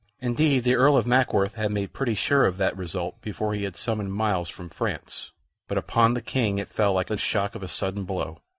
Indeed, the Earl of Mackworth had made pretty sure of that result before he had summoned Myles from France, but upon the King it fell like the shock of a sudden blow.